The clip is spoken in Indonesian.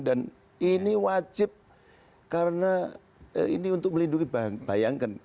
dan ini wajib karena ini untuk melindungi bayangkan